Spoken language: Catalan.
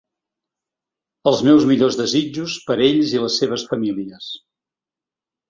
Els meus millors desitjos per ells i les seves famílies.